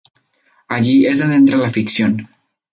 Ahí es donde entra la ficción.